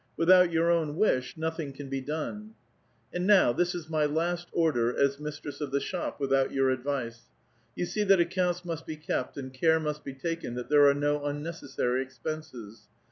Without your own wish, nothing can be done. " And now, this is my last order, as mistress of the shop, without your advice. You see that accounts must be kept, and care must be taken that there are no unnecessary expenses.